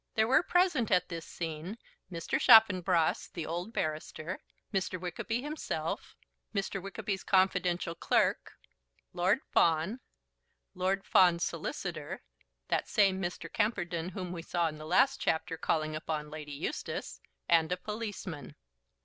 There were present at this scene Mr. Chaffanbrass, the old barrister, Mr. Wickerby himself, Mr. Wickerby's confidential clerk, Lord Fawn, Lord Fawn's solicitor, that same Mr. Camperdown whom we saw in the last chapter calling upon Lady Eustace, and a policeman.